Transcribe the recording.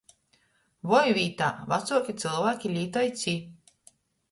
“Voi” vītā vacuoki cylvāki lītoj “ci”.